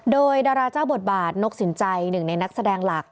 โดยดาราเจ้าบทบาทนกสินใจหนึ่งในนักแสดงหลัก